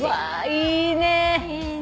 いいね。